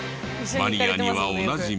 マニアにはおなじみ